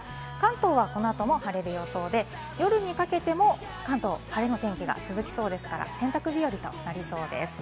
関東はこの後も晴れる予想で、夜にかけても関東、晴れの天気が続きそうですから、洗濯日和となりそうです。